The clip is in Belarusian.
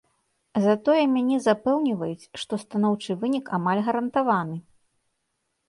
Затое мяне запэўніваюць, што станоўчы вынік амаль гарантаваны.